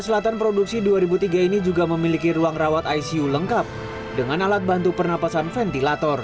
selatan produksi dua ribu tiga ini juga memiliki ruang rawat icu lengkap dengan alat bantu pernapasan ventilator